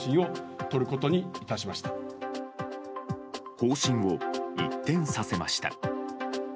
方針を一転させました。